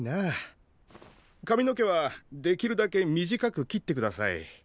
かみの毛はできるだけ短く切ってください。